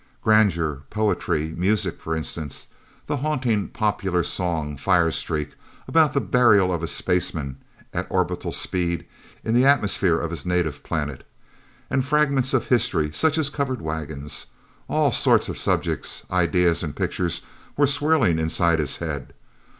Grandeur, poetry, music for instance, the haunting popular song, Fire Streak, about the burial of a spaceman at orbital speed in the atmosphere of his native planet. And fragments of history, such as covered wagons. All sorts of subjects, ideas and pictures were swirling inside his head.